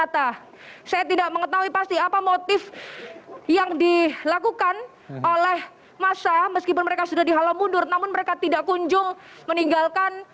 hari ini saya berada di gitu dprd jawa timur